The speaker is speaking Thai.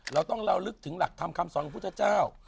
เราต้องระลึกถึงหลักธรรมคำสอนของพุทธเจ้า